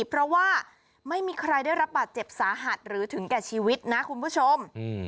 เพราะว่าไม่มีใครได้รับบาดเจ็บสาหัสหรือถึงแก่ชีวิตนะคุณผู้ชม